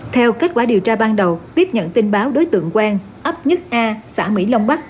theo kết quả điều tra ban đầu tiếp nhận tin báo đối tượng quen ấp nhất a xã mỹ long bắc